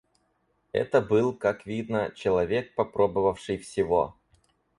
Это был, как видно, человек попробовавший всего.